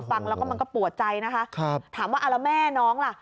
ฟังแล้วก็มันก็ปวดใจนะคะถามว่าเอาแล้วแม่น้องล่ะ